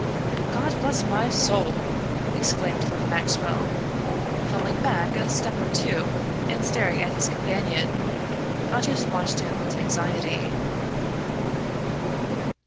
"God bless my soul!" exclaimed Lord Maxwell, falling back a step or two, and staring at his companion. Aldous watched him with anxiety.